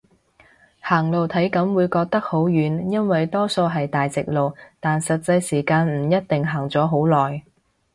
行路體感會覺得好遠，因為多數係大直路，但實際時間唔一定行咗好耐